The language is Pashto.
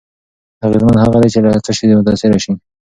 اغېزمن هغه دی چې له څه شي متأثر شي.